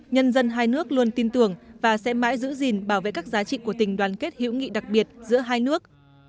nhân dân hai nước luôn tin tưởng và sẽ mãi giữ gìn bảo vệ các giá trị của tình đoàn kết hữu nghị đặc biệt giữa hai nước